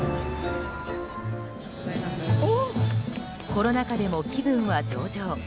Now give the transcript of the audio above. コロナ禍でも気分は上々。